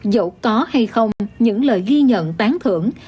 dẫu có hay không những lời ghi nhận tán thưởng